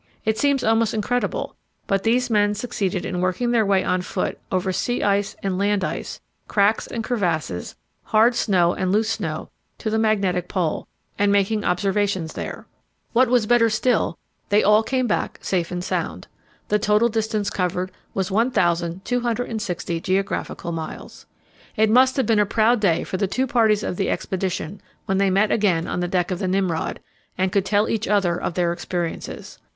It seems almost incredible, but these men succeeded in working their way on foot over sea ice and land ice, cracks and crevasses, hard snow and loose snow, to the Magnetic Pole, and making observations there. What was better still, they all came back safe and sound. The total distance covered was 1,260 geographical miles. It must have been a proud day for the two parties of the expedition when they met again on the deck of the Nimrod, and could tell each other of their experiences.